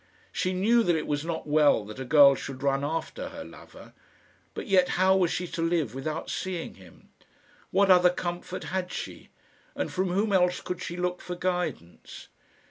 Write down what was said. She knew that it was not well that a girl should run after her lover; but yet how was she to live without seeing him? What other comfort had she? and from whom else could she look for guidance?